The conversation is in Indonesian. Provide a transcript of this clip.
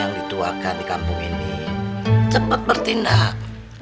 yang dituakan di kampung ini cepat bertindak